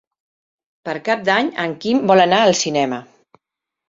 Per Cap d'Any en Quim vol anar al cinema.